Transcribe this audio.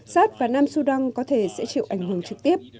sát và nam sudan có thể sẽ chịu ảnh hưởng trực tiếp